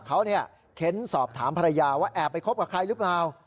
เขาเค้นสอบถามภรรยาว่าแอบไปคบกับใครหรือเปล่า